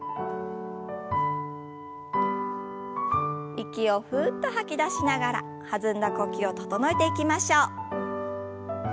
息をふっと吐き出しながら弾んだ呼吸を整えていきましょう。